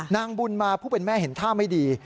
นางบุญมาผู้เป็นแม่เห็นท่าไม่ดี